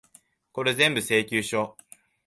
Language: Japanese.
これぜんぶ、請求書。